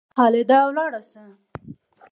خالده ولاړ سه!